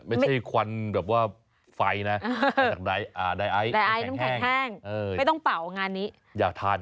ไม่ใช่ควันแบบว่าไฟนะ